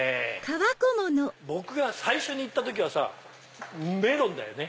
僕が最初に行った時はさメロンだよね！